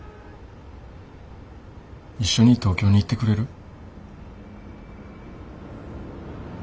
一緒に東京に行ってくれる？